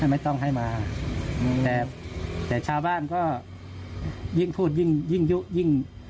ไม่ต้องให้มาแต่แต่ชาวบ้านก็ยิ่งพูดยิ่งยิ่งยุยิ่ง